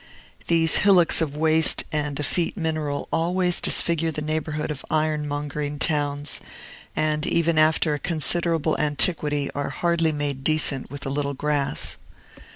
These hillocks of waste and effete mineral always disfigure the neighborhood of iron mongering towns, and, even after a considerable antiquity, are hardly made decent with a little grass.